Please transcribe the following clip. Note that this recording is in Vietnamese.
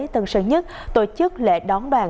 tân sơn nhất tổ chức lễ đón đoàn